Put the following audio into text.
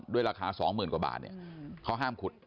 ด้วยราคาสองหมื่นกว่าบาทเขาห้ามขุด